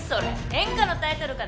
演歌のタイトルかなんか？